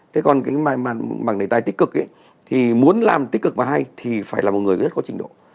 thế còn cái bảng đề tài tích cực ấy thì muốn làm tích cực và hay thì phải là một người rất có trình độ